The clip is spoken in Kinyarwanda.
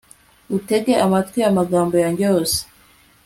utege amatwi amagambo yanjye yose